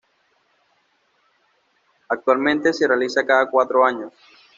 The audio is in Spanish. Actualmente se realiza cada cuatro años.